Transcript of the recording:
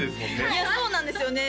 いやそうなんですよね